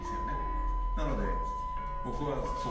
なので僕はそう。